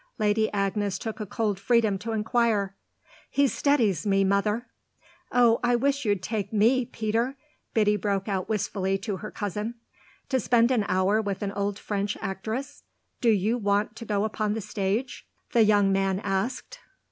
Lady Agnes took a cold freedom to inquire. "He steadies me, mother." "Oh I wish you'd take me, Peter," Biddy broke out wistfully to her cousin. "To spend an hour with an old French actress? Do you want to go upon the stage?" the young man asked.